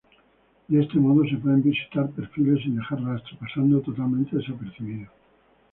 De este modo, se pueden visitar perfiles sin dejar rastro, pasando totalmente desapercibido.